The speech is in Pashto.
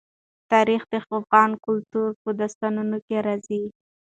تاریخ د افغان کلتور په داستانونو کې راځي.